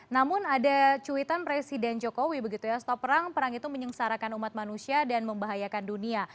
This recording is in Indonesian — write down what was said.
namun ada cuitan presiden jokowi begitu ya stop perang perang itu menyengsarakan umat manusia dan membahayakan dunia